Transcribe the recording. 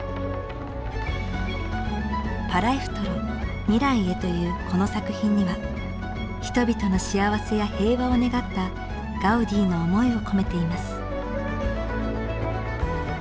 パラエフトロ未来へというこの作品には人々の幸せや平和を願ったガウディの思いを込めています。